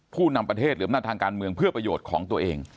ผู้นำประเทศหรืออำนาจทางการเมืองเพื่อประโยชน์ของตัวเอง